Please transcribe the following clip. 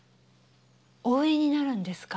お売りになるんですか？